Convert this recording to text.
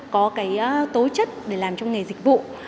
có cái tố chất để làm trong nghề dịch vụ